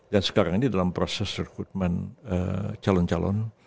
dan sekarang ini dalam proses rekrutmen calon calon